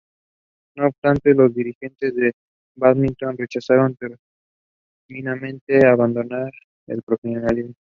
No obstante, los dirigentes de Badminton rechazaron terminantemente abandonar el profesionalismo.